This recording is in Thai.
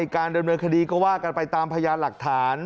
การดำเนินคดีก็ว่ากันไปตามพยานหลักฐาน